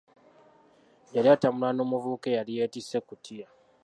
Yali atambula n'omuvubuka eyali yettisse ekutiya.